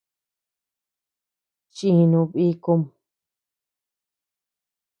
Chinu bikum.